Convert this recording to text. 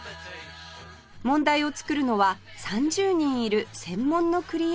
問題を作るのは３０人いる専門のクリエーター